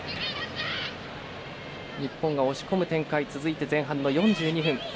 日本が押し込む展開が続いて前半の４２分。